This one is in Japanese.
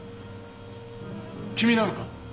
君なのか？